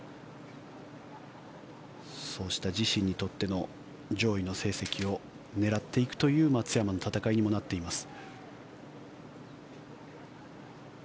そうした自身にとっての上位の成績を狙っていくという松山の戦いにもなっています。